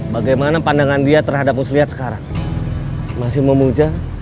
b sampai jumpa di video selanjutnya